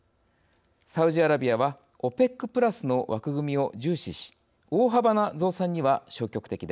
サウジアラビアは「ＯＰＥＣプラス」の枠組みを重視し大幅な増産には消極的です。